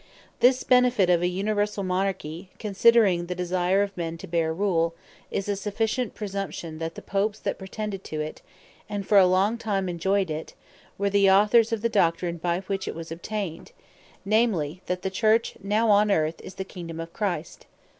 This Benefit of an Universall Monarchy, (considering the desire of men to bear Rule) is a sufficient Presumption, that the popes that pretended to it, and for a long time enjoyed it, were the Authors of the Doctrine, by which it was obtained; namely, that the Church now on Earth, is the Kingdome of Christ.